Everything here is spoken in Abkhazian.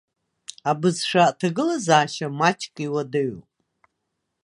Абызшәа аҭагылазаашьа маҷк иуадаҩуп.